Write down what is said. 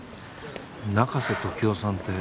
中瀬時雄さんって。